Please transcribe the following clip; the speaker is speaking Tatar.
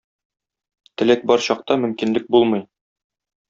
Теләк бар чакта мөмкинлек булмый.